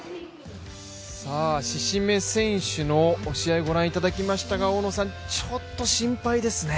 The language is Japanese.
志々目選手の試合をご覧いただきましたが、ちょっと心配ですね。